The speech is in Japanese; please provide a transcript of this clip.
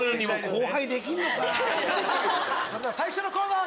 それでは最初のコーナー